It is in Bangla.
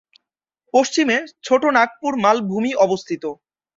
পশ্চিমে ছোট নাগপুর মালভূমি অবস্থিত।